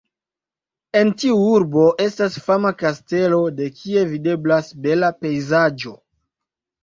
En tiu urbo estas fama kastelo de kie videblas bela pejzaĝo.